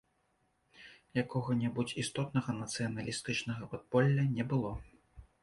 Якога-небудзь істотнага нацыяналістычнага падполля не было.